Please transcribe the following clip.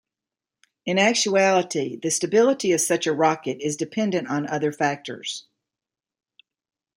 In actuality, the stability of such a rocket is dependent on other factors.